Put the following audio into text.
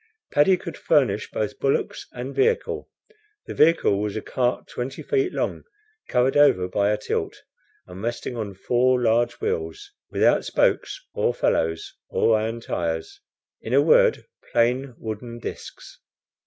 Paddy could furnish both bullocks and vehicle. The vehicle was a cart twenty feet long, covered over by a tilt, and resting on four large wheels without spokes or felloes, or iron tires in a word, plain wooden discs.